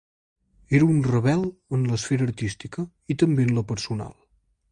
Era un rebel en l’esfera artística i també en la personal.